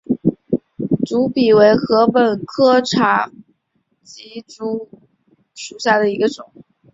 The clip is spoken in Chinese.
笔竹为禾本科茶秆竹属下的一个种。